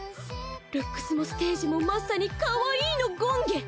ルックスもステージもまさにかわいいの権化！